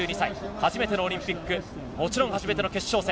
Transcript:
初めてのオリンピックもちろん初めての決勝戦。